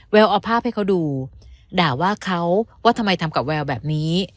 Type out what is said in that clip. แววเอาภาพให้เขาดูด่าว่าเขาว่าทำไมทำกับแววแบบนี้